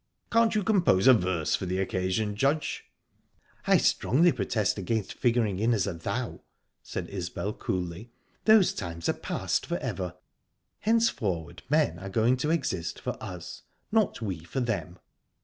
Can't you compose a verse for the occasion, Judge?" "I strongly protest against figuring in as a 'thou,'" said Isbel, coolly. "Those times are past for ever. Henceforward men are going to exist for us, not we for them."